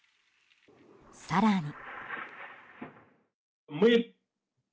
更に。